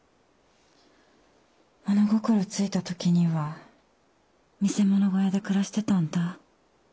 物心ついた時には見せ物小屋で暮らしてたんだ。